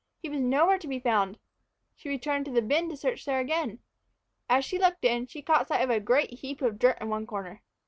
He was nowhere to be found. She returned to the bin to search there again. As she looked in, she caught sight of a great heap of dirt in one corner.